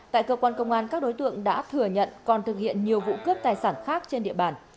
tại cơ quan công an các đối tượng đã thừa nhận còn thực hiện nhiều vụ cướp tài sản khác trên địa bàn